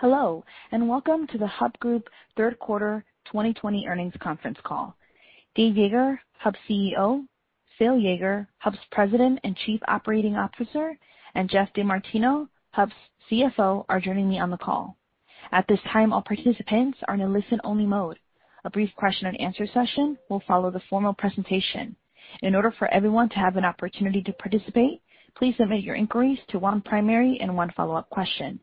Hello, and welcome to the Hub Group Third Quarter 2020 Earnings Conference Call. Dave Yeager, Hub's CEO, Phil Yeager, Hub's President and Chief Operating Officer, and Geoff DeMartino, Hub's CFO, are joining me on the call. At this time, all participants are in a listen-only mode. A brief question and answer session will follow the formal presentation. In order for everyone to have an opportunity to participate, please limit your inquiries to one primary and one follow-up question.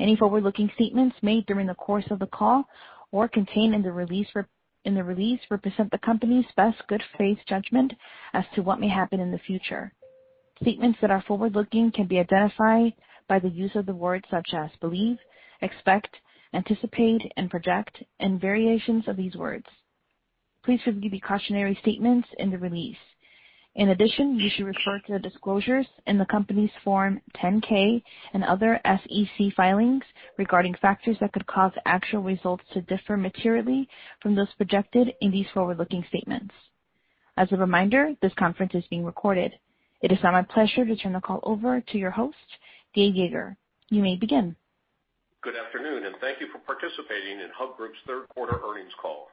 Any forward-looking statements made during the course of the call or contained in the release represent the company's best good faith judgment as to what may happen in the future. Statements that are forward-looking can be identified by the use of words such as believe, expect, anticipate and project, and variations of these words. Please review the cautionary statements in the release. In addition, you should refer to the disclosures in the company's Form 10-K and other SEC filings regarding factors that could cause actual results to differ materially from those projected in these forward-looking statements. As a reminder, this conference is being recorded. It is now my pleasure to turn the call over to your host, Dave Yeager. You may begin. Good afternoon, and thank you for participating in Hub Group's third quarter earnings call.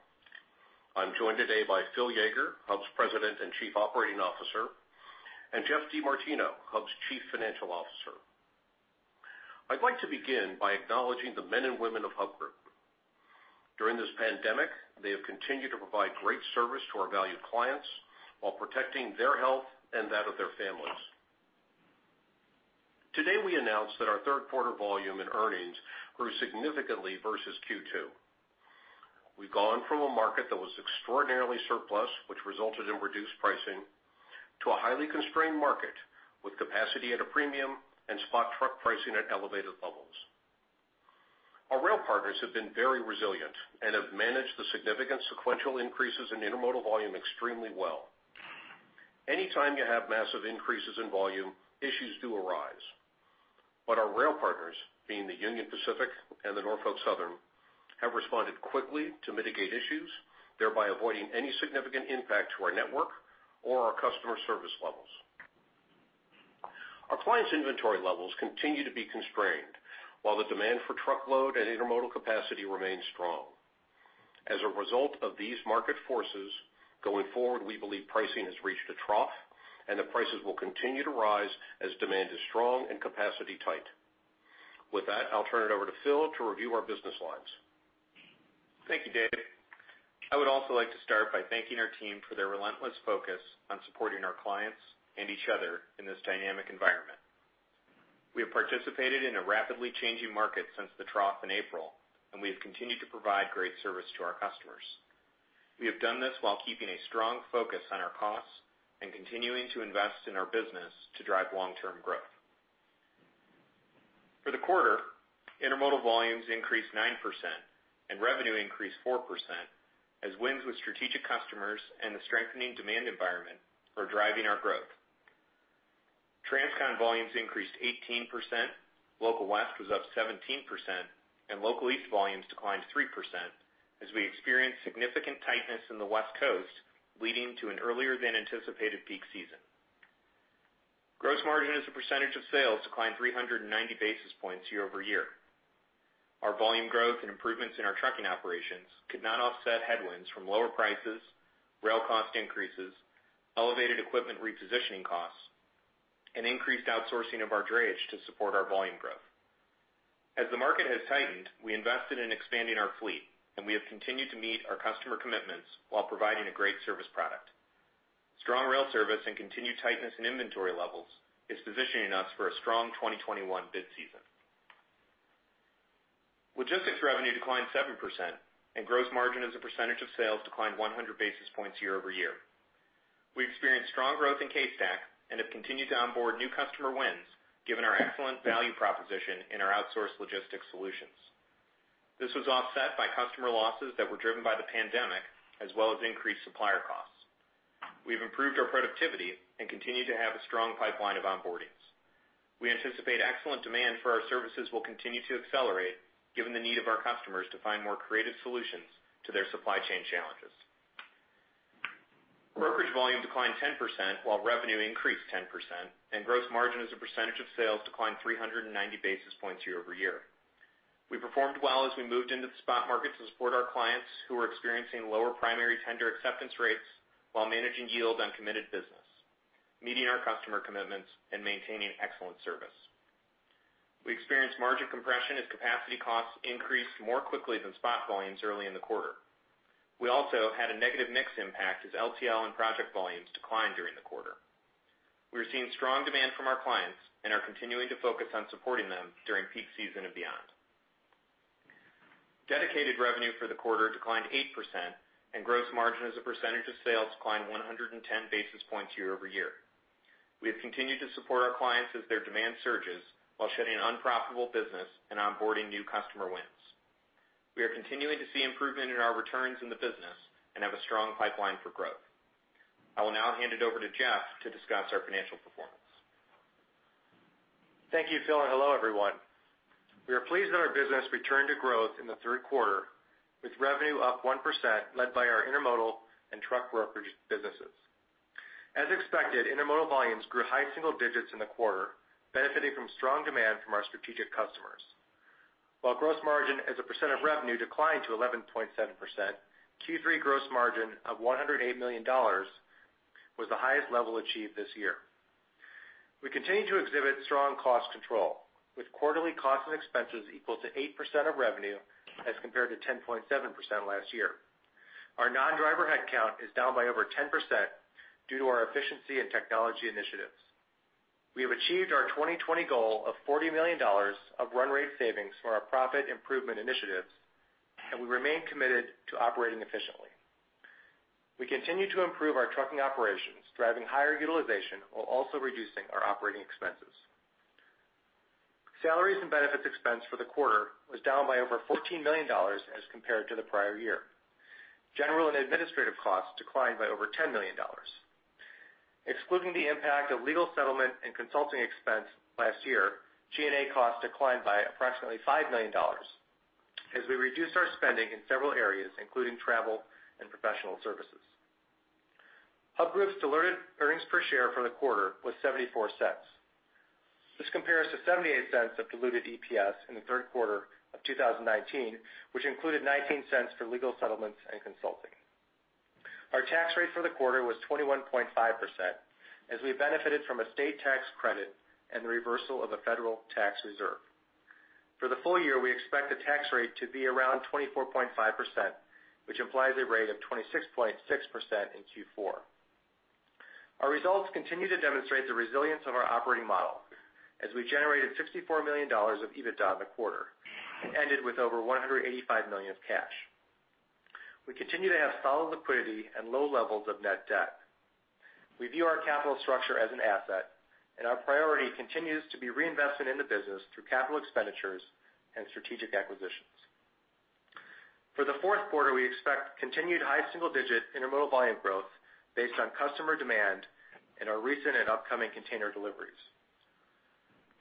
I'm joined today by Phil Yeager, Hub's President and Chief Operating Officer, and Geoff DeMartino, Hub's Chief Financial Officer. I'd like to begin by acknowledging the men and women of Hub Group. During this pandemic, they have continued to provide great service to our valued clients while protecting their health and that of their families. Today, we announced that our third quarter volume and earnings grew significantly versus Q2. We've gone from a market that was extraordinarily surplus, which resulted in reduced pricing, to a highly constrained market with capacity at a premium and spot truck pricing at elevated levels. Our rail partners have been very resilient and have managed the significant sequential increases in intermodal volume extremely well. Anytime you have massive increases in volume, issues do arise. Our rail partners, being the Union Pacific and the Norfolk Southern, have responded quickly to mitigate issues, thereby avoiding any significant impact to our network or our customer service levels. Our clients' inventory levels continue to be constrained while the demand for truckload and intermodal capacity remains strong. As a result of these market forces, going forward, we believe pricing has reached a trough, and that prices will continue to rise as demand is strong and capacity tight. With that, I'll turn it over to Phil to review our business lines. Thank you, Dave. I would also like to start by thanking our team for their relentless focus on supporting our clients and each other in this dynamic environment. We have participated in a rapidly changing market since the trough in April, and we have continued to provide great service to our customers. We have done this while keeping a strong focus on our costs and continuing to invest in our business to drive long-term growth. For the quarter, intermodal volumes increased 9%, and revenue increased 4%, as wins with strategic customers and the strengthening demand environment are driving our growth. Transcon volumes increased 18%, local West was up 17%, and local East volumes declined 3% as we experienced significant tightness in the West Coast, leading to an earlier than anticipated peak season. Gross margin as a percentage of sales declined 390 basis points year-over-year. Our volume growth and improvements in our trucking operations could not offset headwinds from lower prices, rail cost increases, elevated equipment repositioning costs, and increased outsourcing of our drayage to support our volume growth. As the market has tightened, we invested in expanding our fleet, and we have continued to meet our customer commitments while providing a great service product. Strong rail service and continued tightness in inventory levels is positioning us for a strong 2021 bid season. Logistics revenue declined 7%, and gross margin as a percentage of sales declined 100 basis points year-over-year. We experienced strong growth in CaseStack and have continued to onboard new customer wins given our excellent value proposition in our outsource logistics solutions. This was offset by customer losses that were driven by the pandemic as well as increased supplier costs. We've improved our productivity and continue to have a strong pipeline of onboardings. We anticipate excellent demand for our services will continue to accelerate given the need of our customers to find more creative solutions to their supply chain challenges. Brokerage volume declined 10%, while revenue increased 10%, and gross margin as a percentage of sales declined 390 basis points year-over-year. We performed well as we moved into the spot market to support our clients who were experiencing lower primary tender acceptance rates while managing yield on committed business, meeting our customer commitments and maintaining excellent service. We experienced margin compression as capacity costs increased more quickly than spot volumes early in the quarter. We also had a negative mix impact as LTL and project volumes declined during the quarter. We are seeing strong demand from our clients and are continuing to focus on supporting them during peak season and beyond. Dedicated revenue for the quarter declined 8%, and gross margin as a percentage of sales declined 110 basis points year-over-year. We have continued to support our clients as their demand surges while shedding unprofitable business and onboarding new customer wins. We are continuing to see improvement in our returns in the business and have a strong pipeline for growth. I will now hand it over to Geoff to discuss our financial performance. Thank you, Phil, and hello, everyone. We are pleased that our business returned to growth in the third quarter, with revenue up 1%, led by our intermodal and truck brokerage businesses. As expected, intermodal volumes grew high single digits in the quarter, benefiting from strong demand from our strategic customers. While gross margin as a percent of revenue declined to 11.7%, Q3 gross margin of $108 million was the highest level achieved this year. We continue to exhibit strong cost control with quarterly costs and expenses equal to 8% of revenue as compared to 10.7% last year. Our non-driver headcount is down by over 10% due to our efficiency and technology initiatives. We have achieved our 2020 goal of $40 million of run rate savings for our profit improvement initiatives, and we remain committed to operating efficiently. We continue to improve our trucking operations, driving higher utilization while also reducing our operating expenses. Salaries and benefits expense for the quarter was down by over $14 million as compared to the prior year. General and administrative costs declined by over $10 million. Excluding the impact of legal settlement and consulting expense last year, G&A costs declined by approximately $5 million as we reduced our spending in several areas, including travel and professional services. Hub Group's diluted earnings per share for the quarter was $0.74. This compares to $0.78 of diluted EPS in the third quarter of 2019, which included $0.19 for legal settlements and consulting. Our tax rate for the quarter was 21.5% as we benefited from a state tax credit and the reversal of a federal tax reserve. For the full year, we expect the tax rate to be around 24.5%, which implies a rate of 26.6% in Q4. Our results continue to demonstrate the resilience of our operating model as we generated $64 million of EBITDA in the quarter and ended with over $185 million of cash. We continue to have solid liquidity and low levels of net debt. We view our capital structure as an asset, and our priority continues to be reinvestment in the business through capital expenditures and strategic acquisitions. For the fourth quarter, we expect continued high single-digit intermodal volume growth based on customer demand in our recent and upcoming container deliveries.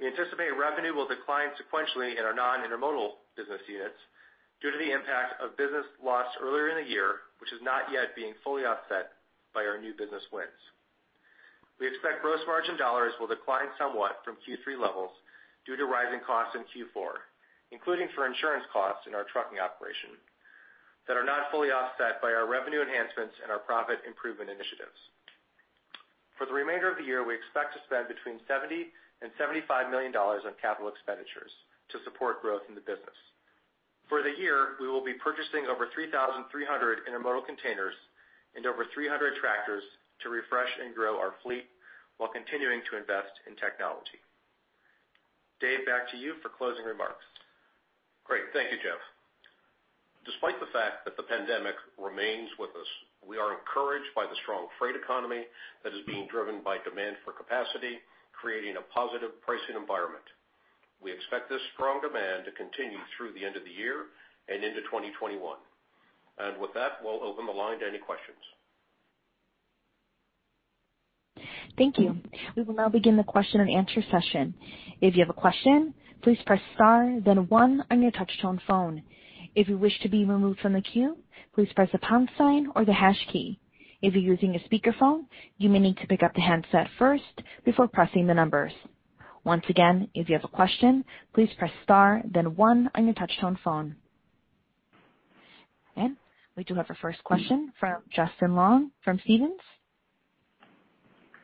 We anticipate revenue will decline sequentially in our non-intermodal business units due to the impact of business lost earlier in the year, which is not yet being fully offset by our new business wins. We expect gross margin dollars will decline somewhat from Q3 levels due to rising costs in Q4, including for insurance costs in our trucking operation that are not fully offset by our revenue enhancements and our profit improvement initiatives. For the remainder of the year, we expect to spend between $70 million-$75 million on capital expenditures to support growth in the business. For the year, we will be purchasing over 3,300 intermodal containers and over 300 tractors to refresh and grow our fleet while continuing to invest in technology. Dave, back to you for closing remarks. Great. Thank you, Geoff. Despite the fact that the pandemic remains with us, we are encouraged by the strong freight economy that is being driven by demand for capacity, creating a positive pricing environment. We expect this strong demand to continue through the end of the year and into 2021. With that, we'll open the line to any questions. Thank you. We will now begin the question and answer session. If you have a question, please press star then one on your touch-tone phone. If you wish to be removed from the queue, please press the pound sign or the hash key. If you are using a speakerphone, you may need to pick up the handset first, before pressing the numbers. Once again if you have a question, please press star then one on your touch-tone phone. We do have our first question from Justin Long from Stephens.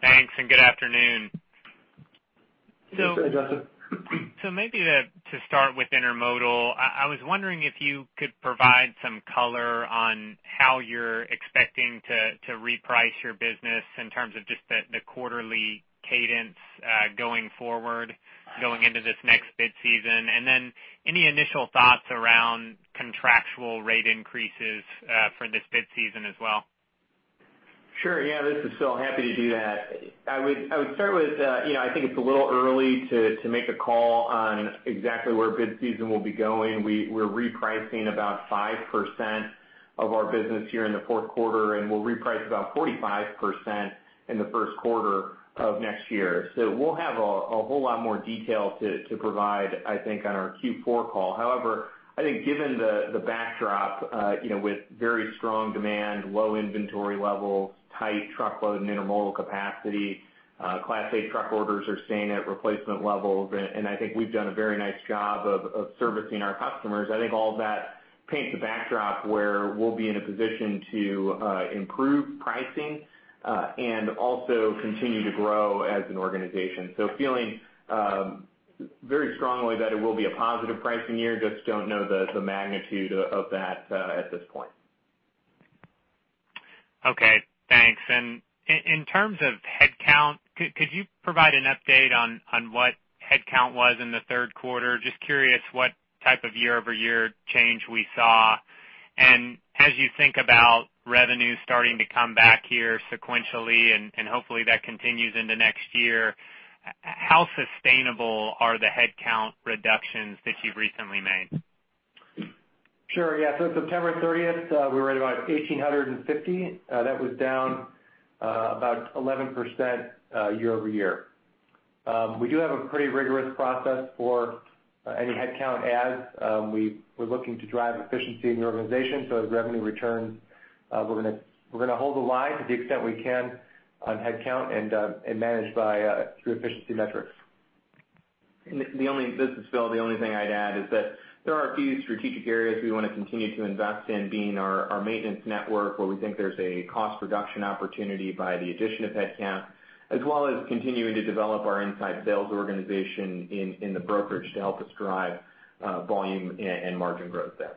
Thanks, and good afternoon. Hey, Justin. Maybe to start with intermodal, I was wondering if you could provide some color on how you're expecting to reprice your business in terms of just the quarterly cadence going forward going into this next bid season. Any initial thoughts around contractual rate increases for this bid season as well? Sure. Yeah, this is Phil. Happy to do that. I would start with, I think it's a little early to make a call on exactly where bid season will be going. We're repricing about 5% of our business here in the fourth quarter, and we'll reprice about 45% in the first quarter of next year. We'll have a whole lot more detail to provide, I think, on our Q4 call. However, I think given the backdrop, with very strong demand, low inventory levels, tight truckload and intermodal capacity, Class 8 truck orders are staying at replacement levels. I think we've done a very nice job of servicing our customers. I think all of that paints a backdrop where we'll be in a position to improve pricing and also continue to grow as an organization. Feeling very strongly that it will be a positive pricing year, just don't know the magnitude of that at this point. Okay, thanks. In terms of headcount, could you provide an update on what headcount was in the third quarter? Just curious what type of year-over-year change we saw. As you think about revenue starting to come back here sequentially, and hopefully that continues into next year, how sustainable are the headcount reductions that you've recently made? Sure, yeah. At September 30th, we were at about 1,850. That was down about 11% year-over-year. We do have a pretty rigorous process for any headcount adds. We're looking to drive efficiency in the organization, so as revenue returns, we're going to hold the line to the extent we can on headcount and manage by through efficiency metrics. This is Phil. The only thing I'd add is that there are a few strategic areas we want to continue to invest in, being our maintenance network, where we think there's a cost reduction opportunity by the addition of headcount, as well as continuing to develop our inside sales organization in the brokerage to help us drive volume and margin growth there.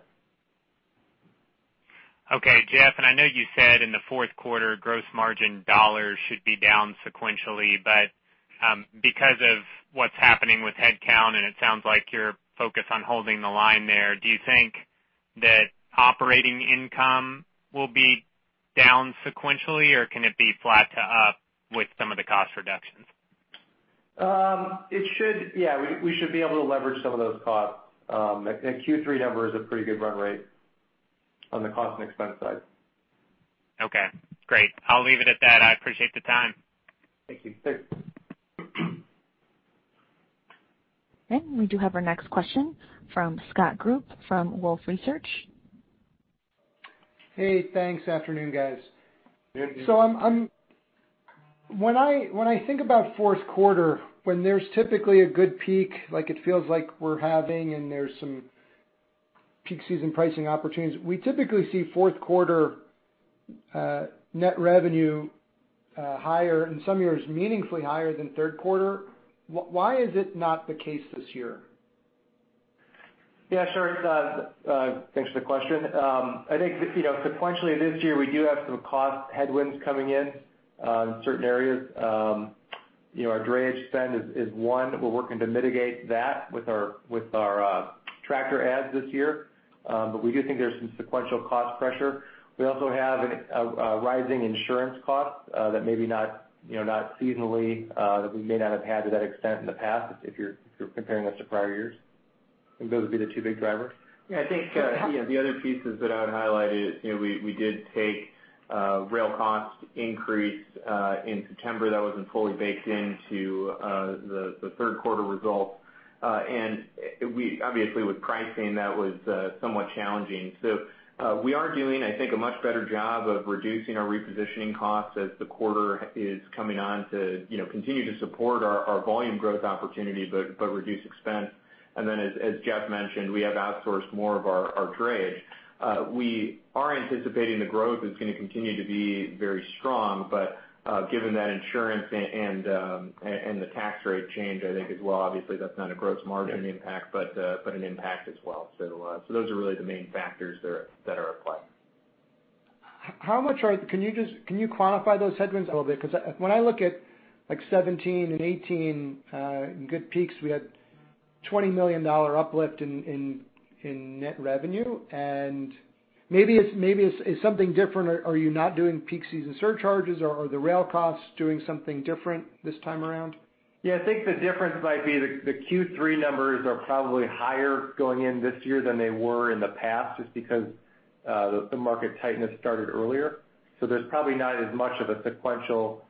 Okay. Geoff, and I know you said in the fourth quarter, gross margin dollars should be down sequentially, but because of what's happening with headcount, and it sounds like you're focused on holding the line there, do you think that operating income will be down sequentially, or can it be flat to up with some of the cost reductions? Yeah. We should be able to leverage some of those costs. The Q3 number is a pretty good run rate on the cost and expense side. Okay, great. I'll leave it at that. I appreciate the time. Thank you. Thanks. We do have our next question from Scott Group from Wolfe Research. Hey, thanks. Afternoon, guys. Good afternoon. When I think about fourth quarter, when there's typically a good peak, like it feels like we're having, and there's some peak season pricing opportunities, we typically see fourth quarter net revenue higher, in some years, meaningfully higher than third quarter. Why is it not the case this year? Yeah, sure. Thanks for the question. I think sequentially this year, we do have some cost headwinds coming in certain areas. Our drayage spend is one. We're working to mitigate that with our tractor adds this year. We do think there's some sequential cost pressure. We also have a rising insurance cost that maybe not seasonally, that we may not have had to that extent in the past, if you're comparing us to prior years. I think those would be the two big drivers. Yeah, I think the other pieces that I would highlight is, we did take a rail cost increase in September that wasn't fully baked into the third quarter results. Obviously, with pricing, that was somewhat challenging. We are doing, I think, a much better job of reducing our repositioning costs as the quarter is coming on to continue to support our volume growth opportunity, but reduce expense. Then, as Geoff mentioned, we have outsourced more of our drayage. We are anticipating the growth is going to continue to be very strong, but given that insurance and the tax rate change, I think as well, obviously, that's not a gross margin impact, but an impact as well. Those are really the main factors that are at play. Can you quantify those headwinds a little bit? When I look at 2017 and 2018, in good peaks, we had $20 million uplift in net revenue, and maybe it's something different, or are you not doing peak season surcharges? Are the rail costs doing something different this time around? Yeah, I think the difference might be the Q3 numbers are probably higher going in this year than they were in the past, just because the market tightness started earlier. There's probably not as much of a sequential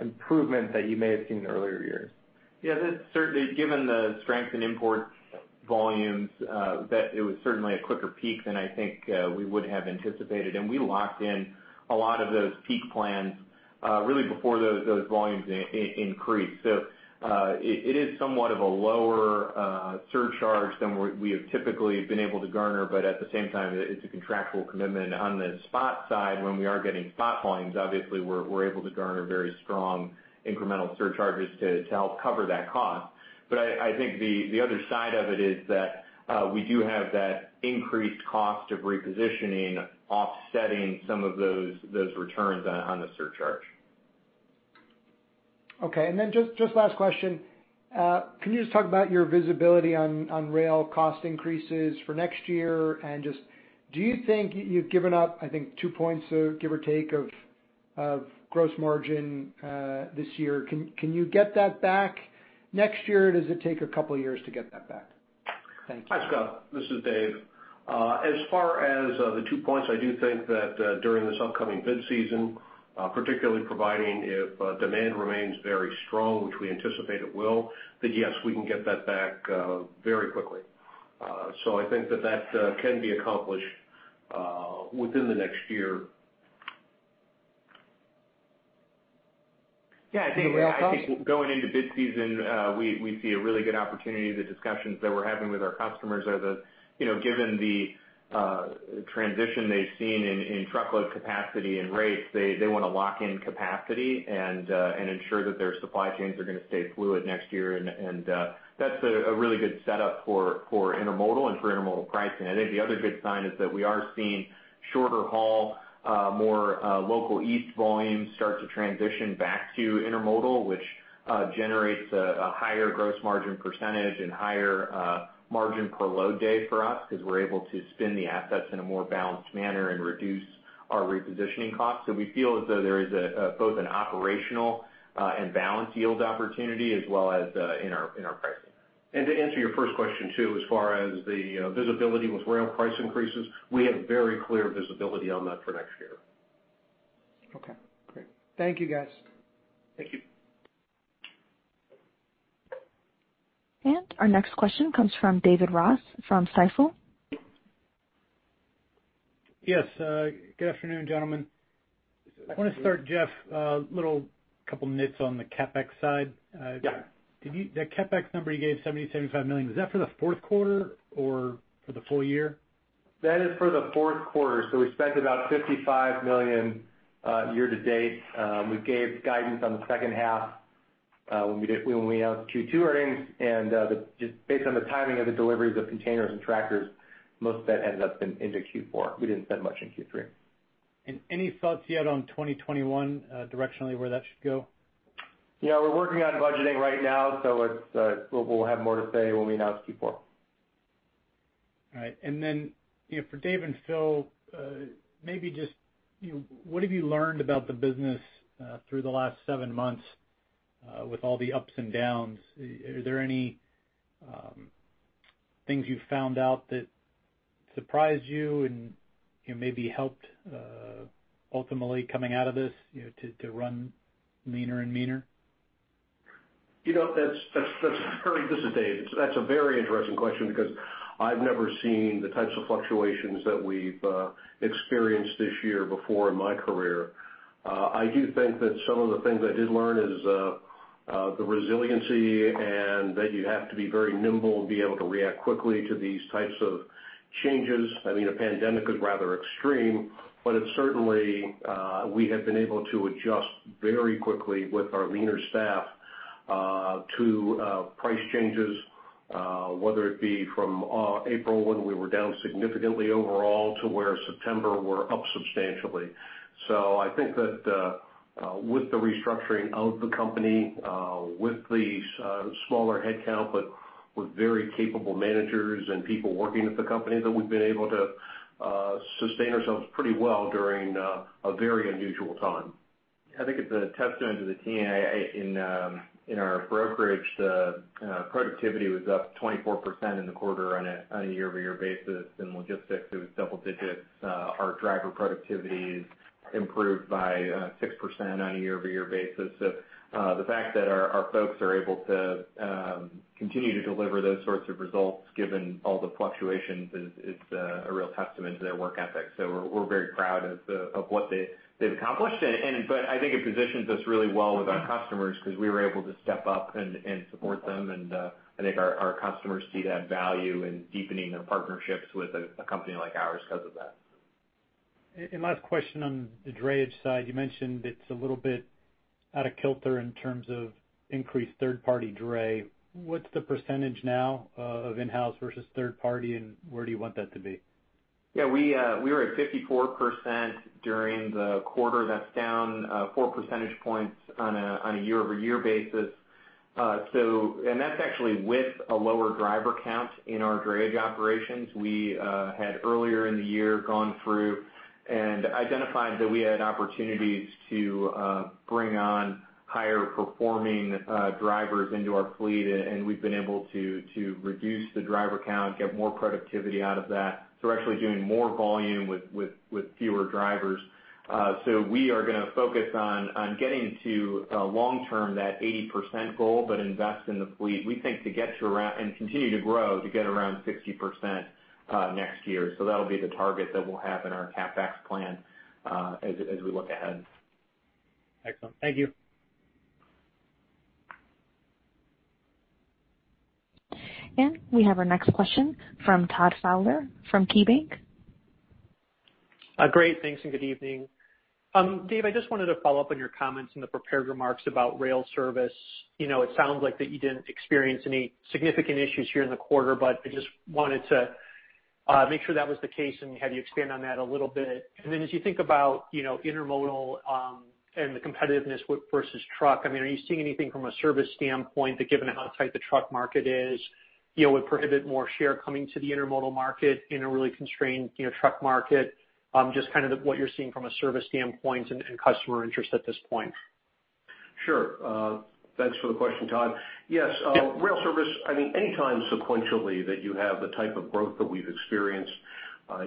improvement that you may have seen in earlier years. Yeah, that certainly, given the strength in import volumes, that it was certainly a quicker peak than I think we would have anticipated, and we locked in a lot of those peak plans really before those volumes increased. It is somewhat of a lower surcharge than we have typically been able to garner, but at the same time, it's a contractual commitment. On the spot side, when we are getting spot volumes, obviously, we're able to garner very strong incremental surcharges to help cover that cost. I think the other side of it is that we do have that increased cost of repositioning offsetting some of those returns on the surcharge. Okay. Just last question. Can you just talk about your visibility on rail cost increases for next year, and just do you think you've given up, I think, two points, give or take, of gross margin this year? Can you get that back next year, or does it take a couple of years to get that back? Thank you. Hi, Scott. This is Dave. As far as the two points, I do think that during this upcoming bid season, particularly providing if demand remains very strong, which we anticipate it will, then yes, we can get that back very quickly. I think that that can be accomplished within the next year. Yeah, I think going into bid season, we see a really good opportunity. The discussions that we're having with our customers are that, given the transition they've seen in truckload capacity and rates, they want to lock in capacity and ensure that their supply chains are going to stay fluid next year, and that's a really good setup for intermodal and for intermodal pricing. I think the other good sign is that we are seeing shorter haul, more local East volume start to transition back to intermodal, which generates a higher gross margin percentage and higher margin per load day for us because we're able to spin the assets in a more balanced manner and reduce our repositioning costs. We feel as though there is both an operational and balance yield opportunity as well as in our pricing. To answer your first question, too, as far as the visibility with rail price increases, we have very clear visibility on that for next year. Okay, great. Thank you, guys. Thank you. Our next question comes from David Ross from Stifel. Good afternoon, gentlemen. I want to start, Geoff, a little couple nits on the CapEx side. Yeah. That CapEx number you gave, $70 million-$75 million, is that for the fourth quarter or for the full year? That is for the fourth quarter. We spent about $55 million year to date. We gave guidance on the second half when we announced Q2 earnings. Just based on the timing of the deliveries of containers and tractors, most of that ended up into Q4. We didn't spend much in Q3. Any thoughts yet on 2021, directionally where that should go? Yeah, we're working on budgeting right now, so we'll have more to say when we announce Q4. All right. Then, for Dave and Phil, maybe just what have you learned about the business through the last seven months with all the ups and downs? Are there any things you found out that surprised you and maybe helped, ultimately, coming out of this to run leaner and meaner? This is Dave. That's a very interesting question because I've never seen the types of fluctuations that we've experienced this year before in my career. I do think that some of the things I did learn is the resiliency and that you have to be very nimble and be able to react quickly to these types of changes. I mean, a pandemic is rather extreme, but certainly, we have been able to adjust very quickly with our leaner staff to price changes, whether it be from April, when we were down significantly overall, to where September we're up substantially. I think that with the restructuring of the company, with the smaller headcount, but with very capable managers and people working at the company, that we've been able to sustain ourselves pretty well during a very unusual time. I think it's a testament to the team in our brokerage. The productivity was up 24% in the quarter on a year-over-year basis. In logistics, it was double digits. Our driver productivity is improved by 6% on a year-over-year basis. The fact that our folks are able to continue to deliver those sorts of results given all the fluctuations is a real testament to their work ethic. We're very proud of what they've accomplished. I think it positions us really well with our customers because we were able to step up and support them, and I think our customers see that value in deepening their partnerships with a company like ours because of that. Last question on the drayage side. You mentioned it's a little bit out of kilter in terms of increased third-party dray. What's the percentage now of in-house versus third party, and where do you want that to be? Yeah. We were at 54% during the quarter. That's down 4 percentage points on a year-over-year basis. That's actually with a lower driver count in our drayage operations. We had earlier in the year gone through and identified that we had opportunities to bring on higher performing drivers into our fleet, and we've been able to reduce the driver count, get more productivity out of that. We're actually doing more volume with fewer drivers. We are going to focus on getting to long term that 80% goal, but invest in the fleet. We think and continue to grow to get around 60% next year. That'll be the target that we'll have in our CapEx plan as we look ahead. Excellent. Thank you. We have our next question from Todd Fowler from KeyBanc. Great. Thanks, good evening. Dave, I just wanted to follow up on your comments in the prepared remarks about rail service. It sounds like that you didn't experience any significant issues here in the quarter, but I just wanted to make sure that was the case and have you expand on that a little bit. As you think about intermodal and the competitiveness versus truck, are you seeing anything from a service standpoint that given how tight the truck market is, would prohibit more share coming to the intermodal market in a really constrained truck market? Just what you're seeing from a service standpoint and customer interest at this point. Sure. Thanks for the question, Todd. Yes. Yeah. Rail service, anytime sequentially that you have the type of growth that we've experienced,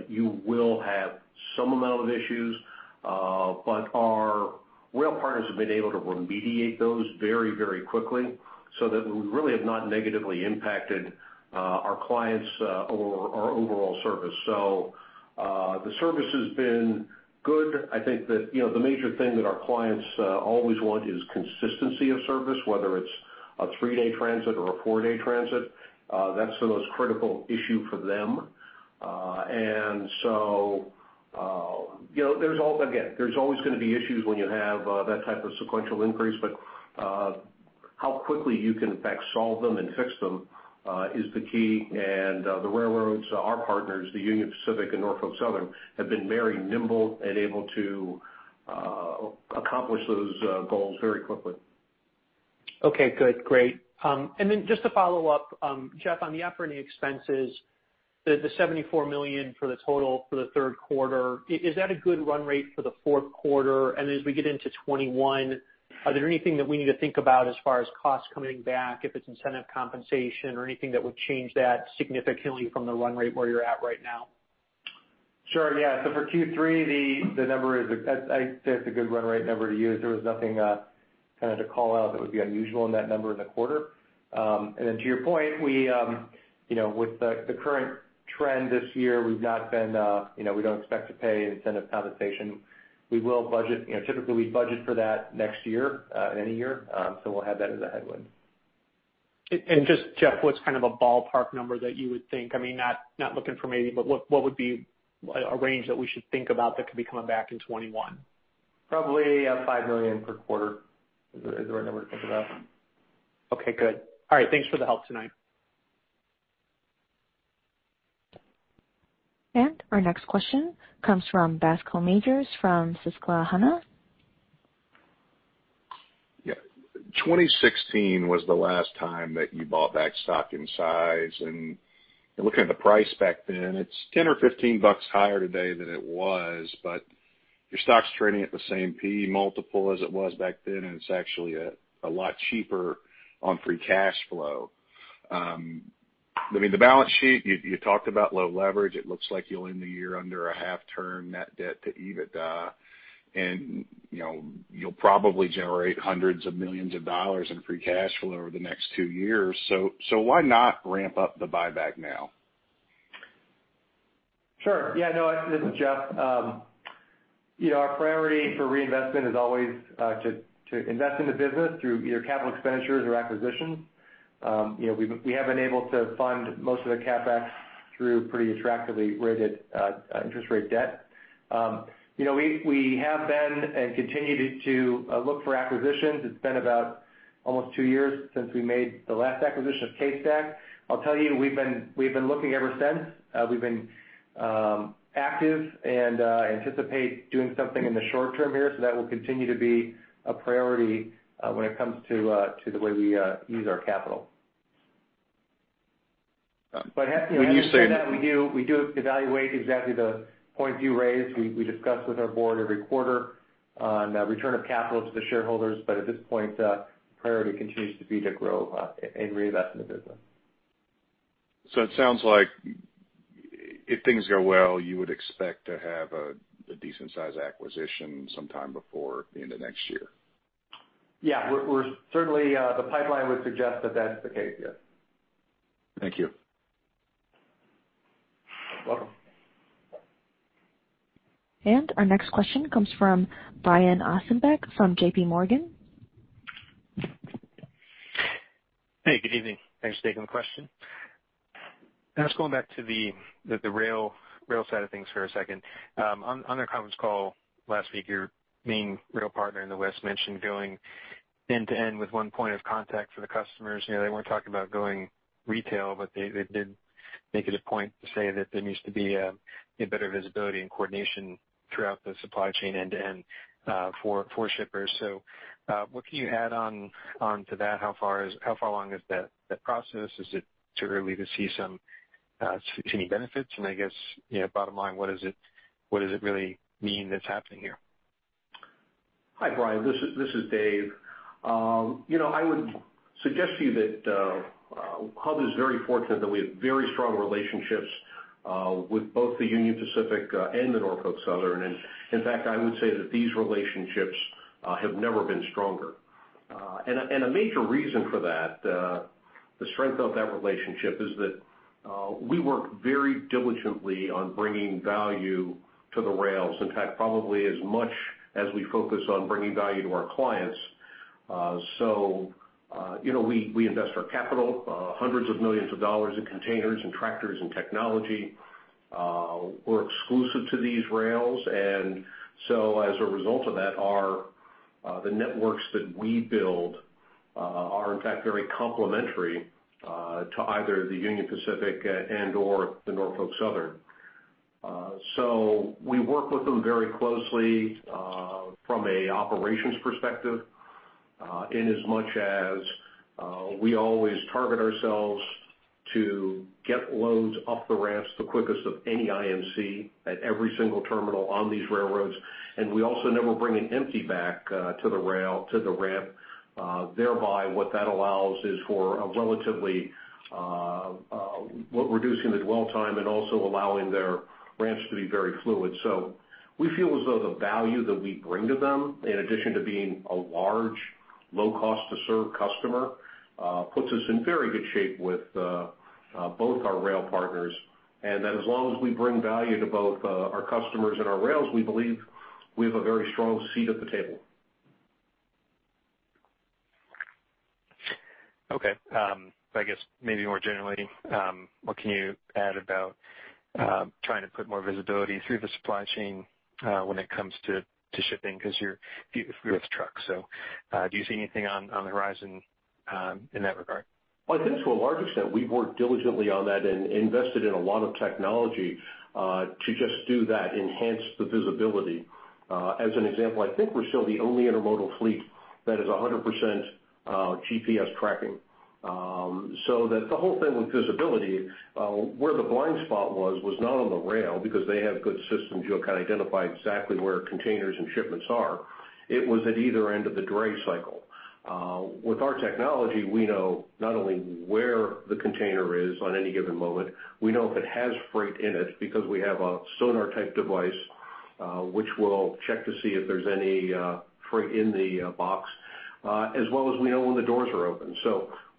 you will have some amount of issues. Our rail partners have been able to remediate those very quickly so that we really have not negatively impacted our clients or our overall service. The service has been good. I think that the major thing that our clients always want is consistency of service, whether it's a three-day transit or a four-day transit. That's the most critical issue for them. Again, there's always going to be issues when you have that type of sequential increase. How quickly you can in fact solve them and fix them is the key. The railroads, our partners, the Union Pacific and Norfolk Southern, have been very nimble and able to accomplish those goals very quickly. Okay, good. Great. Just to follow up, Geoff, on the operating expenses, the $74 million for the total for the third quarter, is that a good run rate for the fourth quarter? As we get into 2021, are there anything that we need to think about as far as costs coming back, if it's incentive compensation or anything that would change that significantly from the run rate where you're at right now? Sure. Yeah. For Q3, the number is, I'd say it's a good run rate number to use. There was nothing to call out that would be unusual in that number in the quarter. To your point, with the current trend this year, we don't expect to pay incentive compensation. Typically, we budget for that next year, in any year. We'll have that as a headwind. Just, Geoff, what's kind of a ballpark number that you would think, I mean, not looking for maybe, but what would be a range that we should think about that could be coming back in 2021? Probably $5 million per quarter is the right number to think about. Okay, good. All right. Thanks for the help tonight. Our next question comes from Bascome Majors from Susquehanna. Yeah. 2016 was the last time that you bought back stock in size, and looking at the price back then, it's $10 or $15 higher today than it was, but your stock's trading at the same PE multiple as it was back then, and it's actually a lot cheaper on free cash flow. I mean, the balance sheet, you talked about low leverage. It looks like you'll end the year under a half turn net debt to EBITDA, and you'll probably generate hundreds of millions of dollars in free cash flow over the next two years. Why not ramp up the buyback now? Sure. Yeah. No, this is Geoff. Our priority for reinvestment is always to invest in the business through either capital expenditures or acquisitions. We have been able to fund most of the CapEx through pretty attractively rated interest rate debt. We have been and continue to look for acquisitions. It's been about almost two years since we made the last acquisition of CaseStack. I'll tell you, we've been looking ever since. We've been active and anticipate doing something in the short term here. That will continue to be a priority when it comes to the way we use our capital. When you say. We do evaluate exactly the points you raised. We discuss with our board every quarter on return of capital to the shareholders. At this point, priority continues to be to grow and reinvest in the business. It sounds like if things go well, you would expect to have a decent size acquisition sometime before the end of next year. Yeah. Certainly, the pipeline would suggest that that's the case, yes. Thank you. You're welcome. Our next question comes from Brian Ossenbeck from JPMorgan. Hey, good evening. Thanks for taking the question. Just going back to the rail side of things for a second. On the conference call last week, your main rail partner in the West mentioned going end to end with one point of contact for the customers. They weren't talking about going retail, but they did make it a point to say that there needs to be a better visibility and coordination throughout the supply chain end to end for shippers. What can you add on to that? How far along is that process? Is it too early to see some benefits? I guess, bottom line, what does it really mean that's happening here? Hi, Brian. This is Dave. I would suggest to you that Hub is very fortunate that we have very strong relationships with both the Union Pacific and the Norfolk Southern. In fact, I would say that these relationships have never been stronger. A major reason for that, the strength of that relationship, is that we work very diligently on bringing value to the rails, in fact, probably as much as we focus on bringing value to our clients. We invest our capital, hundreds of millions of dollars in containers and tractors and technology. We're exclusive to these rails, as a result of that, the networks that we build are, in fact, very complementary to either the Union Pacific and/or the Norfolk Southern. We work with them very closely from an operations perspective, in as much as we always target ourselves to get loads off the ramps the quickest of any IMC at every single terminal on these railroads. We also never bring an empty back to the rail, to the ramp. Thereby, what that allows is for reducing the dwell time and also allowing their ramps to be very fluid. We feel as though the value that we bring to them, in addition to being a large, low cost to serve customer, puts us in very good shape with both our rail partners, and that as long as we bring value to both our customers and our rails, we believe we have a very strong seat at the table. Okay. I guess maybe more generally, what can you add about trying to put more visibility through the supply chain when it comes to shipping, because you're with trucks? Do you see anything on the horizon in that regard? I think to a large extent, we've worked diligently on that and invested in a lot of technology, to just do that, enhance the visibility. As an example, I think we're still the only intermodal fleet that is 100% GPS tracking. That the whole thing with visibility, where the blind spot was not on the rail because they have good systems. You can identify exactly where containers and shipments are. It was at either end of the dray cycle. With our technology, we know not only where the container is on any given moment, we know if it has freight in it because we have a sonar-type device, which will check to see if there's any freight in the box, as well as we know when the doors are open.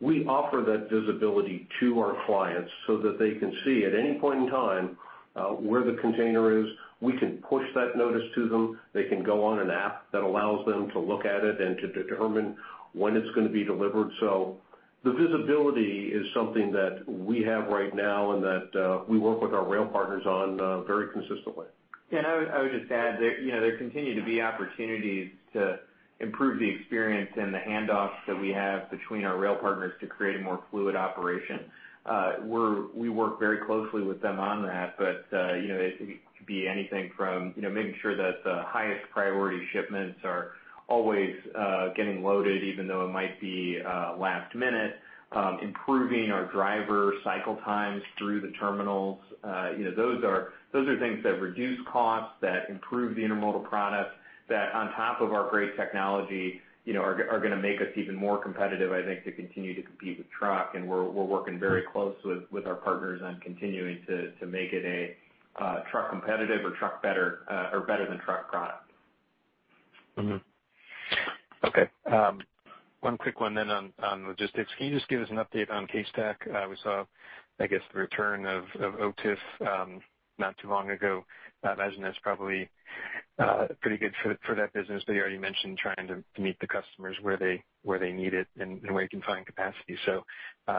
We offer that visibility to our clients so that they can see at any point in time, where the container is. We can push that notice to them. They can go on an app that allows them to look at it and to determine when it is going to be delivered. The visibility is something that we have right now and that we work with our rail partners on very consistently. Yeah, I would just add, there continue to be opportunities to improve the experience and the handoffs that we have between our rail partners to create a more fluid operation. We work very closely with them on that. It could be anything from making sure that the highest priority shipments are always getting loaded, even though it might be last minute, improving our driver cycle times through the terminals. Those are things that reduce costs, that improve the intermodal product, that on top of our great technology, are going to make us even more competitive, I think, to continue to compete with truck. We're working very close with our partners on continuing to make it a truck competitive or better than truck product. One quick one on logistics. Can you just give us an update on CaseStack? We saw, I guess, the return of OTIF not too long ago. I imagine that's probably pretty good for that business, but you already mentioned trying to meet the customers where they need it and where you can find capacity.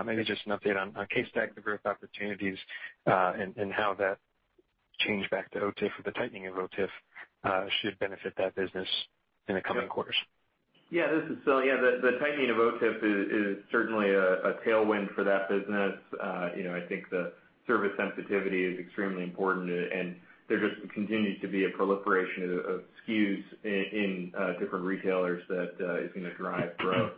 Maybe just an update on CaseStack, the growth opportunities, and how that change back to OTIF or the tightening of OTIF should benefit that business in the coming quarters. This is Phil. The tightening of OTIF is certainly a tailwind for that business. I think the service sensitivity is extremely important, and there just continues to be a proliferation of SKUs in different retailers that is going to drive growth.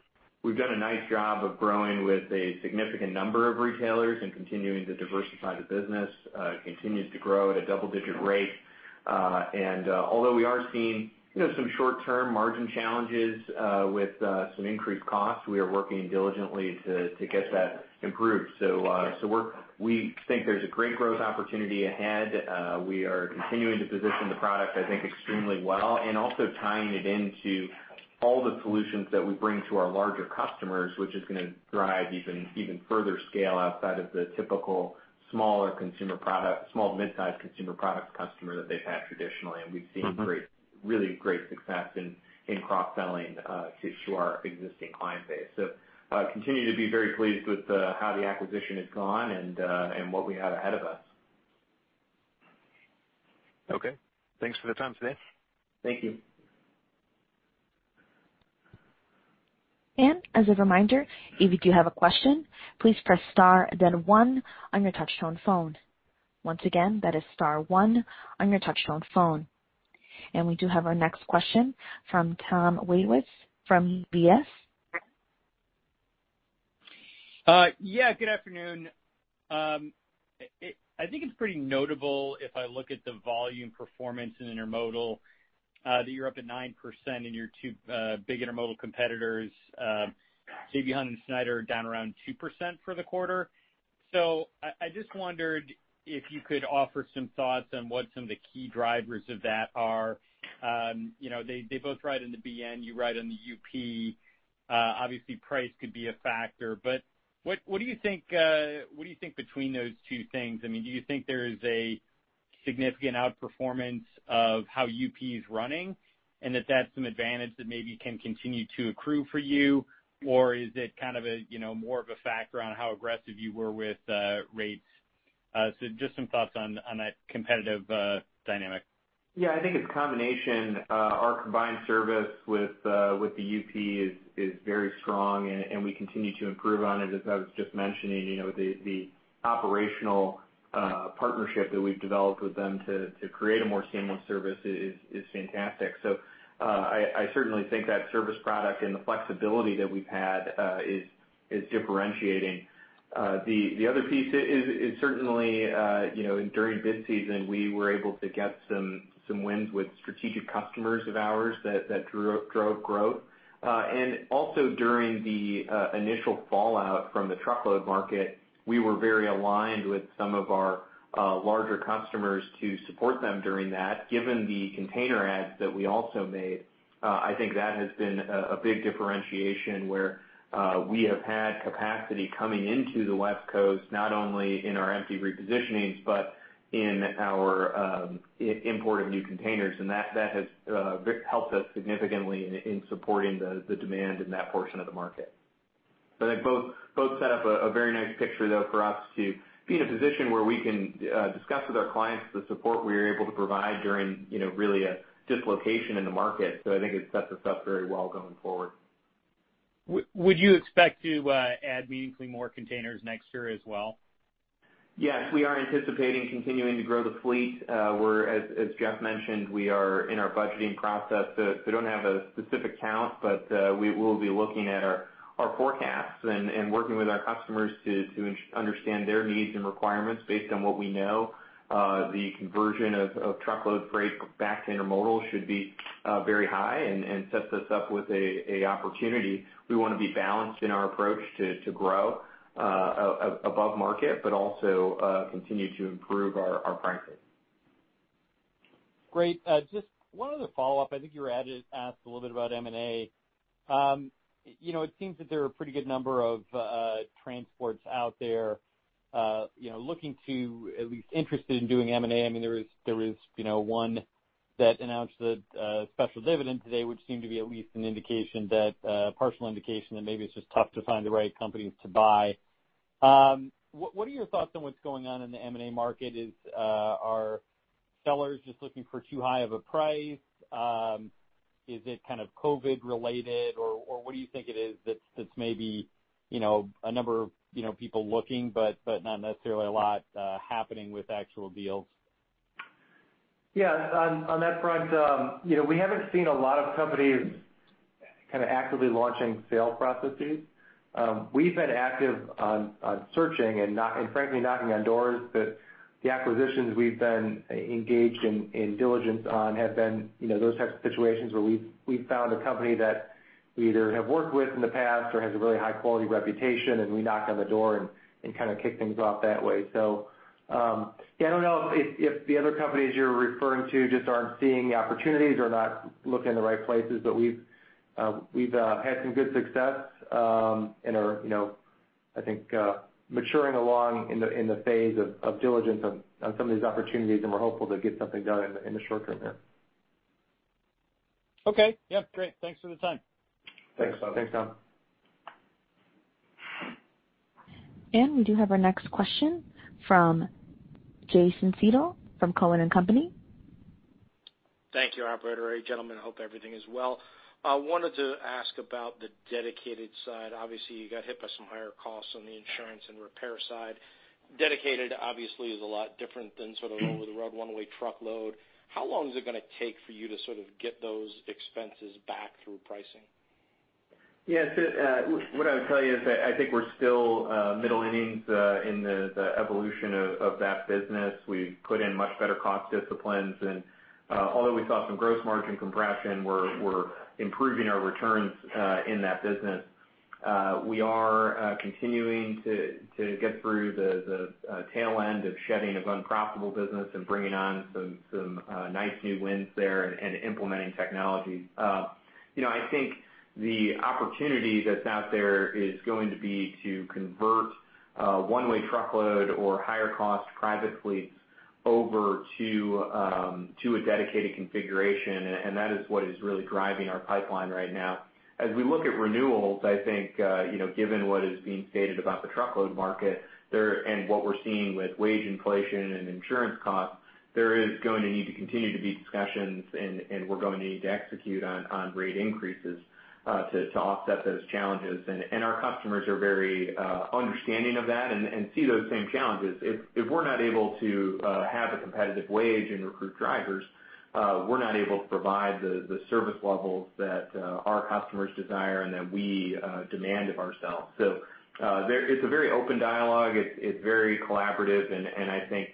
We've done a nice job of growing with a significant number of retailers and continuing to diversify the business. It continues to grow at a double-digit rate. Although we are seeing some short-term margin challenges with some increased costs, we are working diligently to get that improved. We think there's a great growth opportunity ahead. We are continuing to position the product, I think, extremely well, and also tying it into all the solutions that we bring to our larger customers, which is going to drive even further scale outside of the typical small or midsize consumer product customer that they've had traditionally. We've seen really great success in cross-selling to our existing client base. Continue to be very pleased with how the acquisition has gone and what we have ahead of us. Okay. Thanks for the time today. Thank you. As a reminder, if you do have a question, please press star then one on your touch-tone phone. Once again, that is star one on your touch-tone phone. We do have our next question from Tom Wadewitz from UBS. Yeah, good afternoon. I think it's pretty notable if I look at the volume performance in Intermodal, that you're up at 9% and your two big Intermodal competitors, J.B. Hunt and Schneider, are down around 2% for the quarter. I just wondered if you could offer some thoughts on what some of the key drivers of that are. They both ride in the BN, you ride on the UP. Obviously price could be a factor, but what do you think between those two things? Do you think there is a significant outperformance of how UP is running, and that that's an advantage that maybe can continue to accrue for you? Is it more of a factor on how aggressive you were with rates? Just some thoughts on that competitive dynamic. Yeah, I think it's a combination. Our combined service with the UP is very strong, and we continue to improve on it. As I was just mentioning, the operational partnership that we've developed with them to create a more seamless service is fantastic. I certainly think that service product and the flexibility that we've had is differentiating. The other piece is certainly, during bid season, we were able to get some wins with strategic customers of ours that drove growth. Also during the initial fallout from the truckload market, we were very aligned with some of our larger customers to support them during that, given the container adds that we also made. I think that has been a big differentiation where we have had capacity coming into the West Coast, not only in our empty repositionings, but in our import of new containers, and that has helped us significantly in supporting the demand in that portion of the market. I think both set up a very nice picture, though, for us to be in a position where we can discuss with our clients the support we are able to provide during really a dislocation in the market. I think it sets us up very well going forward. Would you expect to add meaningfully more containers next year as well? Yes, we are anticipating continuing to grow the fleet. As Geoff mentioned, we are in our budgeting process, so we don't have a specific count, but we will be looking at our forecasts and working with our customers to understand their needs and requirements based on what we know. The conversion of truckload freight back to intermodal should be very high and sets us up with an opportunity. We want to be balanced in our approach to grow above market, but also continue to improve our pricing. Great. Just one other follow-up. I think you were asked a little bit about M&A. It seems that there are a pretty good number of transports out there looking to, at least interested in doing M&A. There is one that announced a special dividend today, which seemed to be at least a partial indication that maybe it's just tough to find the right companies to buy. What are your thoughts on what's going on in the M&A market? Are sellers just looking for too high of a price? Is it kind of COVID related, or what do you think it is that's maybe a number of people looking, but not necessarily a lot happening with actual deals? Yeah. On that front, we haven't seen a lot of companies kind of actively launching sale processes. We've been active on searching and frankly knocking on doors, but the acquisitions we've been engaged in diligence on have been those types of situations where we've found a company that we either have worked with in the past or has a really high-quality reputation, and we knock on the door and kind of kick things off that way. I don't know if the other companies you're referring to just aren't seeing opportunities or not looking in the right places, but we've had some good success, and are, I think, maturing along in the phase of diligence on some of these opportunities, and we're hopeful to get something done in the short term there. Okay. Yeah, great. Thanks for the time. Thanks, Tom. Thanks, Tom. We do have our next question from Jason Seidl from Cowen and Company. Thank you, operator. Gentlemen, hope everything is well. I wanted to ask about the dedicated side. You got hit by some higher costs on the insurance and repair side. Dedicated, obviously, is a lot different than sort of over-the-road one-way truckload. How long is it going to take for you to sort of get those expenses back through pricing? Yeah. What I would tell you is that I think we're still middle innings in the evolution of that business. We've put in much better cost disciplines, and although we saw some gross margin compression, we're improving our returns in that business. We are continuing to get through the tail end of shedding of unprofitable business and bringing on some nice new wins there and implementing technology. I think the opportunity that's out there is going to be to convert one-way truckload or higher cost private fleets over to a dedicated configuration, and that is what is really driving our pipeline right now. As we look at renewals, I think, given what is being stated about the truckload market, and what we're seeing with wage inflation and insurance costs, there is going to need to continue to be discussions, and we're going to need to execute on rate increases, to offset those challenges. Our customers are very understanding of that and see those same challenges. If we're not able to have a competitive wage and recruit drivers, we're not able to provide the service levels that our customers desire and that we demand of ourselves. It's a very open dialogue. It's very collaborative, and I think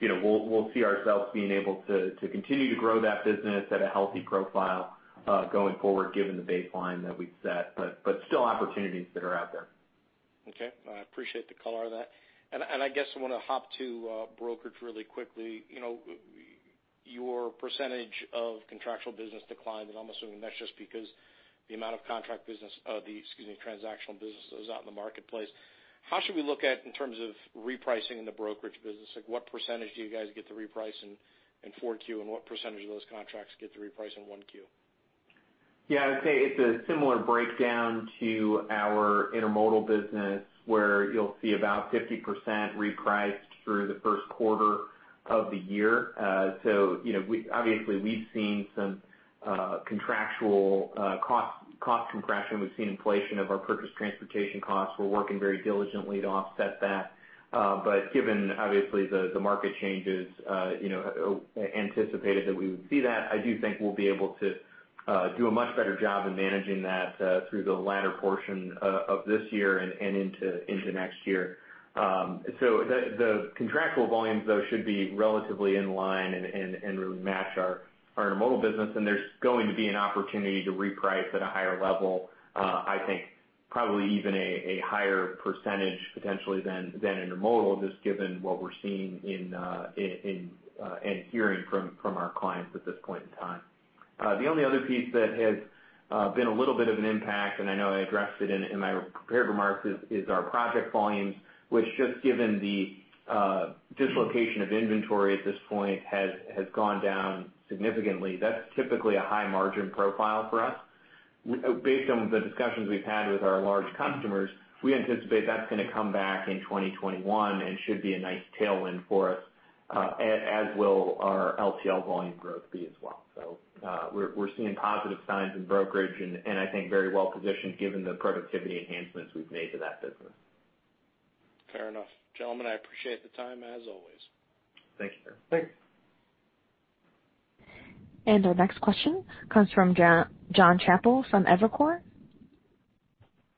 we'll see ourselves being able to continue to grow that business at a healthy profile, going forward, given the baseline that we've set, but still opportunities that are out there. Okay. I appreciate the color of that. I guess I want to hop to brokerage really quickly. Your percentage of contractual business declined, and I'm assuming that's just because the amount of contract business, the, excuse me, transactional businesses out in the marketplace. How should we look at in terms of repricing in the brokerage business? What percentage do you guys get to reprice in 4Q, and what percentage of those contracts get to reprice in 1Q? Yeah, I'd say it's a similar breakdown to our intermodal business, where you'll see about 50% repriced through the first quarter of the year. Obviously we've seen some contractual cost compression. We've seen inflation of our purchased transportation costs. We're working very diligently to offset that. Given, obviously, the market changes, anticipated that we would see that. I do think we'll be able to do a much better job in managing that through the latter portion of this year and into next year. The contractual volumes, though, should be relatively in line and really match our intermodal business, and there's going to be an opportunity to reprice at a higher level. I think probably even a higher percentage potentially than intermodal, just given what we're seeing and hearing from our clients at this point in time. The only other piece that has been a little bit of an impact, and I know I addressed it in my prepared remarks, is our project volumes, which just given the dislocation of inventory at this point, has gone down significantly. That's typically a high margin profile for us. Based on the discussions we've had with our large customers, we anticipate that's going to come back in 2021 and should be a nice tailwind for us, as will our LTL volume growth be as well. We're seeing positive signs in brokerage and I think very well positioned given the productivity enhancements we've made to that business. Fair enough. Gentlemen, I appreciate the time, as always. Thank you, sir. Thanks. Our next question comes from John Chappell from Evercore.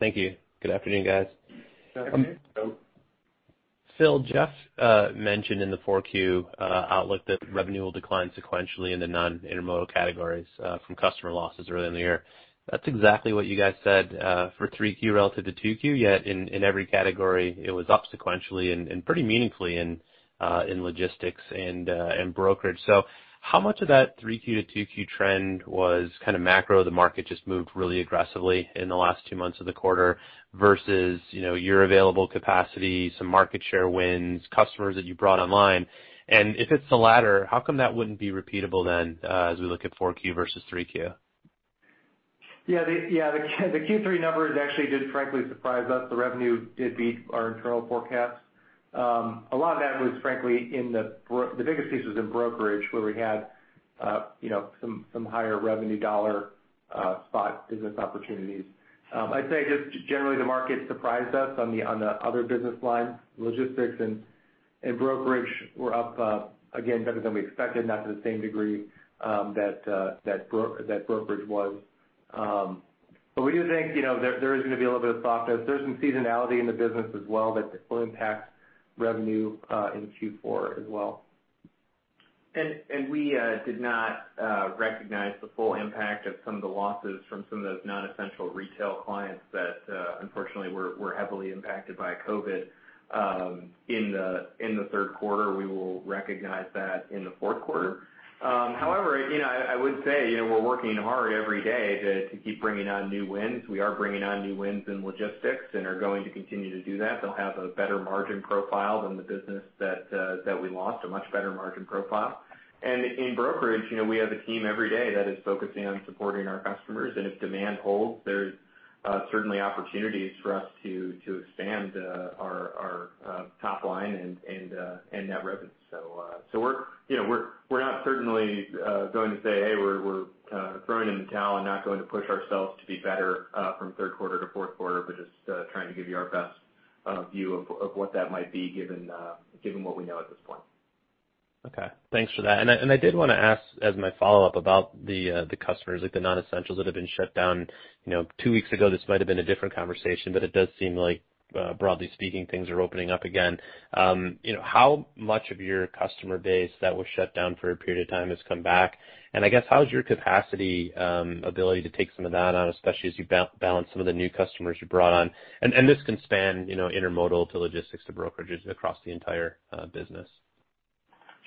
Thank you. Good afternoon, guys. Good afternoon. Phil, Geoff mentioned in the 4Q outlook that revenue will decline sequentially in the non-intermodal categories from customer losses earlier in the year. That's exactly what you guys said for 3Q relative to 2Q, yet in every category, it was up sequentially and pretty meaningfully in logistics and brokerage. How much of that 3Q to 2Q trend was kind of macro, the market just moved really aggressively in the last two months of the quarter, versus your available capacity, some market share wins, customers that you brought online? If it's the latter, how come that wouldn't be repeatable then, as we look at 4Q versus 3Q? Yeah. The Q3 numbers actually did frankly surprise us. The revenue did beat our internal forecasts. A lot of that was frankly, the biggest piece was in brokerage, where we had some higher revenue dollar spot business opportunities. I'd say just generally the market surprised us on the other business lines. Logistics and brokerage were up, again, better than we expected, not to the same degree that brokerage was. We do think there is going to be a little bit of softness. There's some seasonality in the business as well that will impact revenue in Q4 as well. We did not recognize the full impact of some of the losses from some of those non-essential retail clients that unfortunately were heavily impacted by COVID in the third quarter. We will recognize that in the fourth quarter. However, I would say, we're working hard every day to keep bringing on new wins. We are bringing on new wins in logistics and are going to continue to do that. They'll have a better margin profile than the business that we lost, a much better margin profile. In brokerage, we have a team every day that is focusing on supporting our customers. If demand holds, there's certainly opportunities for us to expand our top line and net revenue. We're not certainly going to say, "Hey, we're throwing in the towel and not going to push ourselves to be better from third quarter to fourth quarter," but just trying to give you our best view of what that might be given what we know at this point. Okay. Thanks for that. I did want to ask as my follow-up about the customers, like the non-essentials that have been shut down. Two weeks ago, this might have been a different conversation, but it does seem like, broadly speaking, things are opening up again. How much of your customer base that was shut down for a period of time has come back, and I guess how's your capacity ability to take some of that on, especially as you balance some of the new customers you brought on? This can span intermodal to logistics to brokerages across the entire business.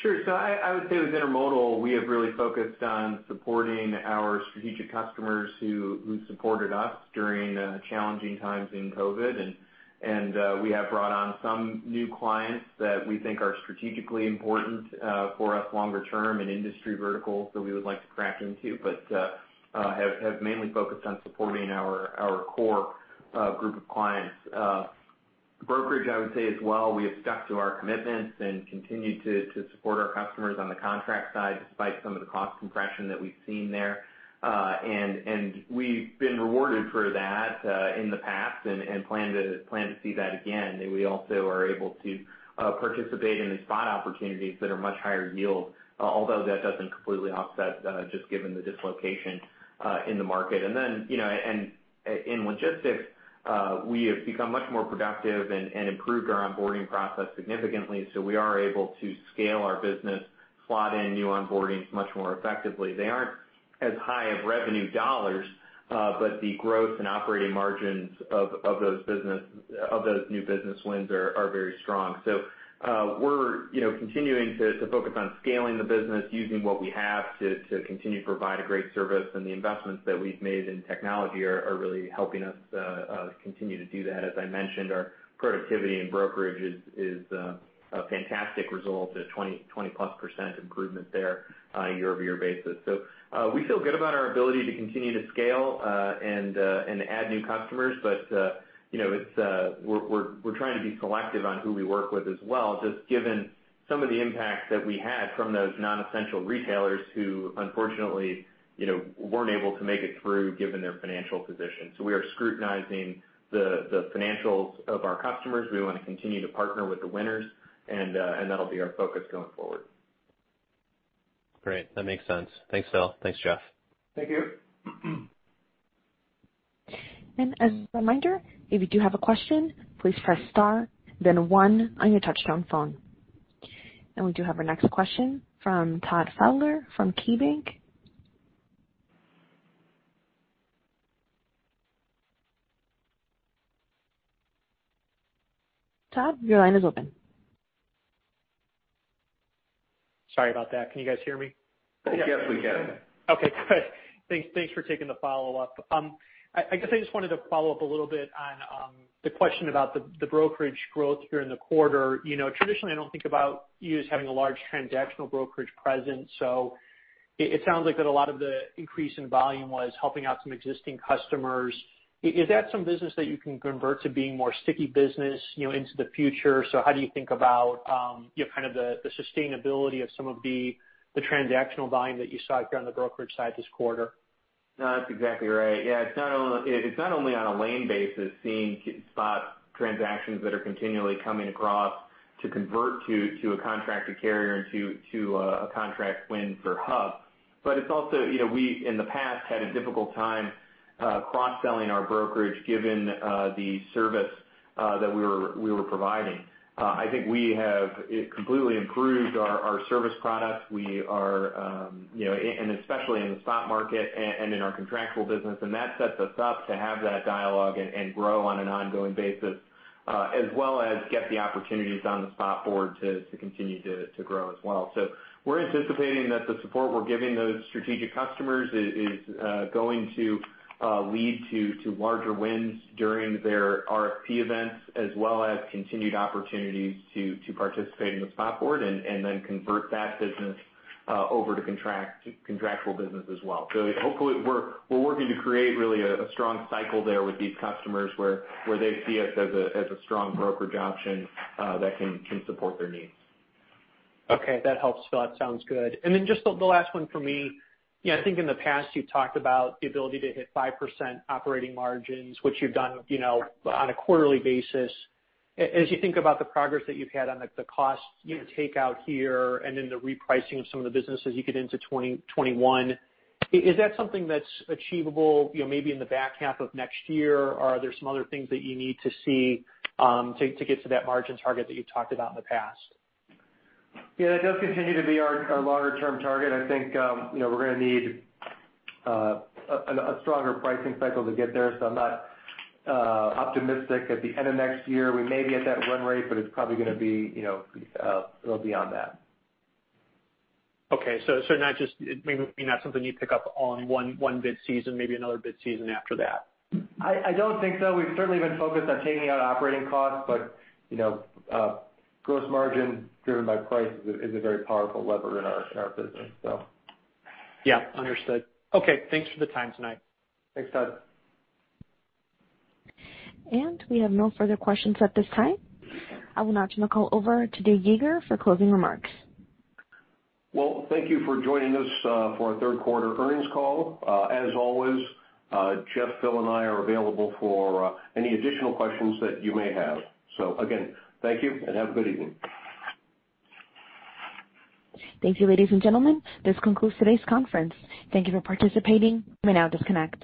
Sure. I would say with intermodal, we have really focused on supporting our strategic customers who supported us during challenging times in COVID. We have brought on some new clients that we think are strategically important for us longer term and industry verticals that we would like to crack into, but have mainly focused on supporting our core group of clients. Brokerage, I would say as well, we have stuck to our commitments and continued to support our customers on the contract side, despite some of the cost compression that we've seen there. We've been rewarded for that in the past and plan to see that again. We also are able to participate in the spot opportunities that are much higher yield, although that doesn't completely offset, just given the dislocation in the market. Then, in logistics, we have become much more productive and improved our onboarding process significantly. We are able to scale our business, slot in new onboardings much more effectively. They aren't as high of revenue dollars, but the growth in operating margins of those new business wins are very strong. We're continuing to focus on scaling the business, using what we have to continue to provide a great service, and the investments that we've made in technology are really helping us continue to do that. As I mentioned, our productivity in brokerage is a fantastic result at 20%+ improvement there year-over-year basis. We feel good about our ability to continue to scale and add new customers. We're trying to be selective on who we work with as well, just given some of the impacts that we had from those non-essential retailers who unfortunately weren't able to make it through given their financial position. We are scrutinizing the financials of our customers. We want to continue to partner with the winners, and that'll be our focus going forward. Great. That makes sense. Thanks, Phil. Thanks, Geoff. Thank you. As a reminder, if you do have a question, please press star, then one on your touch-tone phone. We do have our next question from Todd Fowler from KeyBanc. Todd, your line is open. Sorry about that. Can you guys hear me? Yes, we can. Yes. Okay, good. Thanks for taking the follow-up. I guess I just wanted to follow up a little bit on the question about the brokerage growth here in the quarter. Traditionally, I don't think about you as having a large transactional brokerage presence, so it sounds like that a lot of the increase in volume was helping out some existing customers. Is that some business that you can convert to being more sticky business into the future? How do you think about the sustainability of some of the transactional volume that you saw here on the brokerage side this quarter? No, that's exactly right. Yeah, it's not only on a lane basis, seeing spot transactions that are continually coming across to convert to a contracted carrier, to a contract win for Hub. It's also, we, in the past, had a difficult time cross-selling our brokerage given the service that we were providing. I think we have completely improved our service products. Especially in the spot market and in our contractual business, and that sets us up to have that dialogue and grow on an ongoing basis, as well as get the opportunities on the spot board to continue to grow as well. We're anticipating that the support we're giving those strategic customers is going to lead to larger wins during their RFP events, as well as continued opportunities to participate in the spot board and then convert that business over to contractual business as well. Hopefully, we're working to create really a strong cycle there with these customers where they see us as a strong brokerage option that can support their needs. That helps, Phil. That sounds good. Just the last one for me. I think in the past, you've talked about the ability to hit 5% operating margins, which you've done on a quarterly basis. As you think about the progress that you've had on the cost takeout here and then the repricing of some of the businesses you get into 2021, is that something that's achievable maybe in the back half of next year? Are there some other things that you need to see to get to that margin target that you've talked about in the past? Yeah, that does continue to be our longer-term target. I think we're going to need a stronger pricing cycle to get there, so I'm not optimistic at the end of next year. We may be at that run rate, but it's probably going to be a little beyond that. Okay, it may not be something you pick up on one bid season, maybe another bid season after that. I don't think so. We've certainly been focused on taking out operating costs, but gross margin driven by price is a very powerful lever in our business. Yeah, understood. Okay, thanks for the time tonight. Thanks, Todd. We have no further questions at this time. I will now turn the call over to Dave Yeager for closing remarks. Well, thank you for joining us for our third quarter earnings call. As always, Geoff, Phil, and I are available for any additional questions that you may have. Again, thank you and have a good evening. Thank you, ladies and gentlemen. This concludes today's conference. Thank you for participating. You may now disconnect.